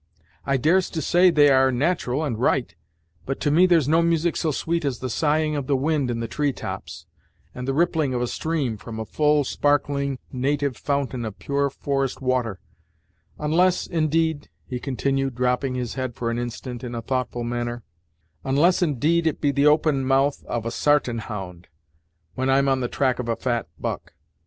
I dares to say, they are nat'ral and right, but to me there's no music so sweet as the sighing of the wind in the tree tops, and the rippling of a stream from a full, sparkling, natyve fountain of pure forest water unless, indeed," he continued, dropping his head for an instant in a thoughtful manner "unless indeed it be the open mouth of a sartain hound, when I'm on the track of a fat buck.